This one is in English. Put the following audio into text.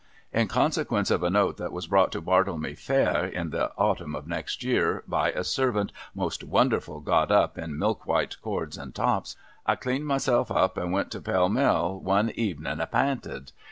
In consequence of a note that was brought to Bartlemy Fair in the autumn of next year by a servant, most wonderful got up in milk white cords and tops, I cleaned myself and went to Pall Mall, one evening appinted.